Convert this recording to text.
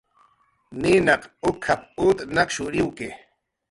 "Ninaq uk""ap"" ut nakshuriwki"